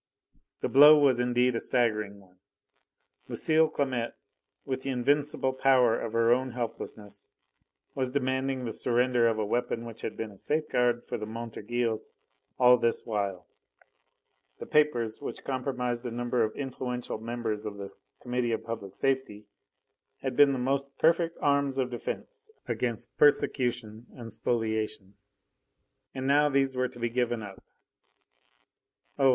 The blow was indeed a staggering one. Lucile Clamette, with the invincible power of her own helplessness, was demanding the surrender of a weapon which had been a safeguard for the Montorgueils all this while. The papers which compromised a number of influential members of the Committee of Public Safety had been the most perfect arms of defence against persecution and spoliation. And now these were to be given up: Oh!